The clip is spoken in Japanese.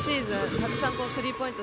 たくさんスリーポイント